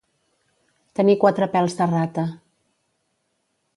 Tenir quatre pèls de rata.